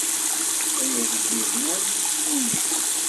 Ay Agellid-iw, ay Illu-iw!